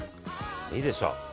いいでしょう。